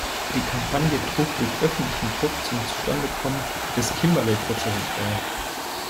Die Kampagne trug durch öffentlichen Druck zum Zustandekommen des Kimberley-Prozesses bei.